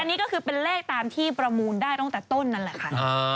อันนี้ก็คือเป็นเลขตามที่ประมูลได้ตั้งแต่ต้นนั่นแหละค่ะ